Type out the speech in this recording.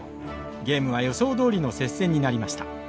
ゲームは予想どおりの接戦になりました。